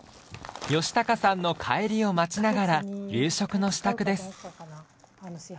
良孝さんの帰りを待ちながら夕食の支度です。